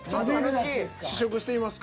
試食してみますか？